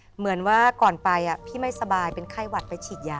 เหมือนว่าก่อนไปพี่ไม่สบายเป็นไข้หวัดไปฉีดยา